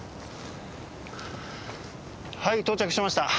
はい到着しました。